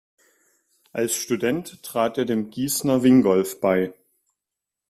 Als Student trat er dem Gießener Wingolf bei.